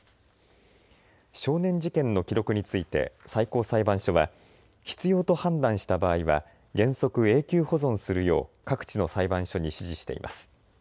少年事件の記録について最高裁判所は必要と判断した場合は原則、永久保存するよう各地の裁判所に指示しています。